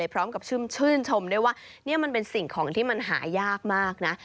พร้อมกับชื่นชมด้วยว่านี่มันเป็นสิ่งของที่มันหายากมากนะ